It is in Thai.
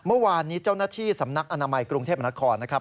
เมื่อวานนี้เจ้าหน้าที่สำนักอนามัยกรุงเทพมนครนะครับ